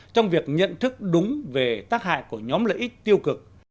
trong việc nhận thức đúng về tác hại của nhóm lợi ích tiêu cực